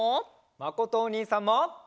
まことおにいさんも！